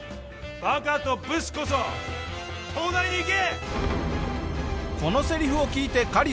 「バカとブスこそ東大に行け」